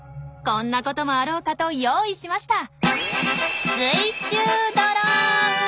こんなこともあろうかと用意しました。